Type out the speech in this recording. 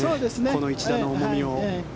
この一打の重みを。